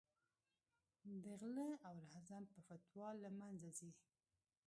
د غله او رحزن په فتوا له منځه ځي.